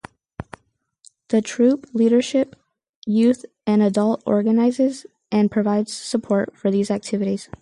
The troop leadership, youth and adult, organizes and provides support for these activities.